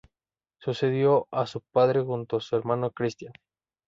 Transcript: Sucedió a su padre junto a su hermano Cristián.